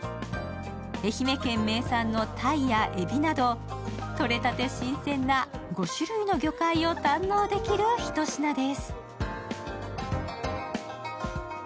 愛媛県名産のたいやえびなどとれたて新鮮な５種類の魚介を堪能できるひと品です。